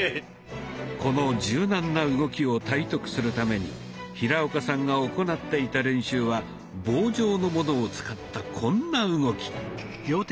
この柔軟な動きを体得するために平岡さんが行なっていた練習は棒状のものを使ったこんな動き。